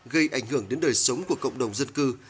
gây ảnh hưởng đến đời sống của cộng đồng dân cư